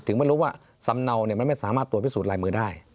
ไม่รู้ว่าสำเนามันไม่สามารถตรวจพิสูจนลายมือได้